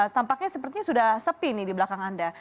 tampaknya sepertinya sudah sepi nih di belakang anda